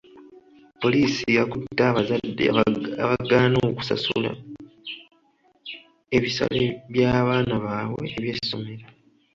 Poliisi yakutte abazadde abaagana okusasula ebisale by'abaana baabwe eby'essomero.